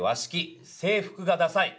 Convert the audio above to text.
「制服がダサい」。